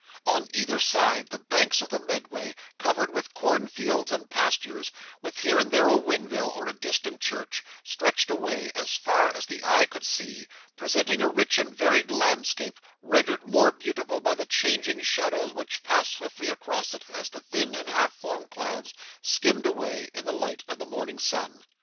On either side, the banks of the Medway, covered with cornfields and pastures, with here and there a windmill, or a distant church, stretched away as far as the eye could see, presenting a rich and varied landscape, rendered more beautiful by the changing shadows which passed swiftly across it as the thin and half formed clouds skimmed away in the light of the morning sun.